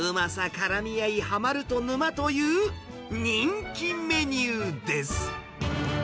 からみ合い、はまると沼という人気メニューです。